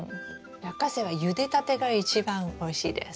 ラッカセイはゆでたてが一番おいしいです。